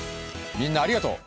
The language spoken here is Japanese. みんなありがとう！